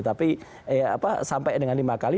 tapi sampai dengan lima kali